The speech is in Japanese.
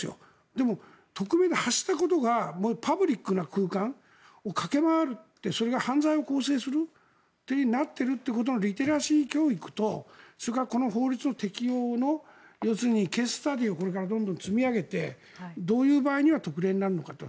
でも、匿名で発したことがパブリックな空間を駆け回ってそれが犯罪を構成することになっているリテラシー教育とこの法律の適用の要するにケーススタディーをこれから積み上げてどういう場合には特例になるのかと。